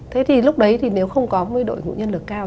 thế thì lúc đấy thì nếu không có một đội ngũ nhân lực cao